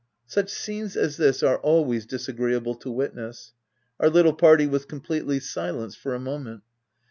Such scenes as this are always disagreeable to witness. Our little party was completely silenced for a moment.